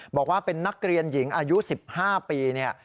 บอกว่าเป็นนักเรียนหญิงอายุ๑๕ปีเนี่ย